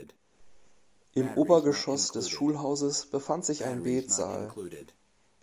Im Obergeschoss des Schulhauses befand sich ein Betsaal.